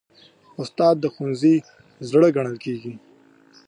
استاد د ښوونځي زړه ګڼل کېږي.